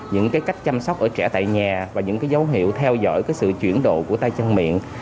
những cái cách chăm sóc ở trẻ tại nhà và những cái dấu hiệu theo dõi cái sự chuyển đồ của tay chân miệng